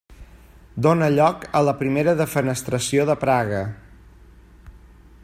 Dóna lloc a la primera Defenestració de Praga.